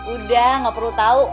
udah gak perlu tau